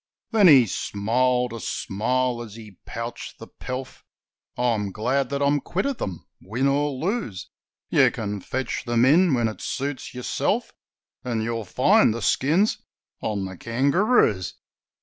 Then he smiled a smile as he pouched the pelf, 'I'm glad that I'm quit of them, win or lose: You can fetch them in when it suits yourself, And you'll find the skins on the kangaroos!'